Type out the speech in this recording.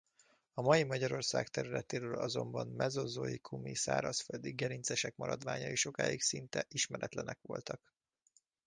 A mai Magyarország területéről azonban mezozoikumi szárazföldi gerincesek maradványai sokáig szinte ismeretlenek voltak.